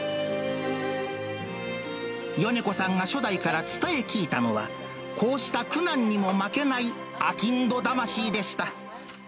米子さんが初代から伝え聞いたのは、こうした苦難にも負けないあきんど魂でした。